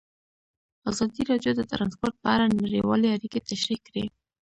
ازادي راډیو د ترانسپورټ په اړه نړیوالې اړیکې تشریح کړي.